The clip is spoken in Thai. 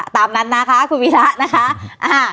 ตามนั้นนะคะคุณวีระนะคะ